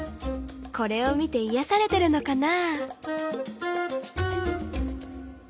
これを見ていやされてるのかな？